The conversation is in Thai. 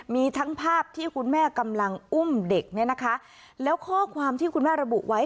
มีทั้งภาพที่คุณแม่กำลังอุ้มเด็กเนี่ยนะคะแล้วข้อความที่คุณแม่ระบุไว้